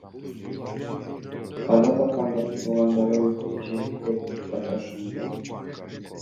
Каза тапкандардын туугандары өкүмдү жеңил деп аташууда.